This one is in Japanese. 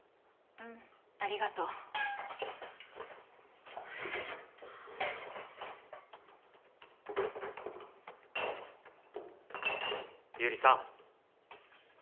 うんありがとうえっと百合さん